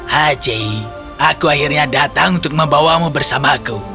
haji aku akhirnya datang untuk membawamu bersamaku